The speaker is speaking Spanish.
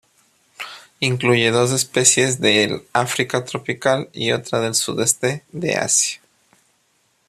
Incluye dos especies; una del África tropical y otra del sudeste de Asia.